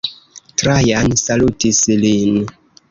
Trajan salutis lin.